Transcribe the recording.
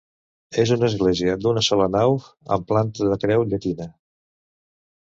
És una església d'una sola nau amb planta de creu llatina.